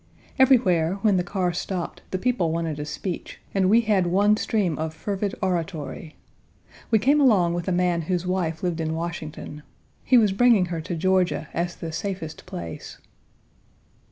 Everywhere, when the car stopped, the people wanted a speech, and we had one stream of fervid oratory. We came along with a man whose wife lived in Washington. He was bringing her to Georgia as the safest place.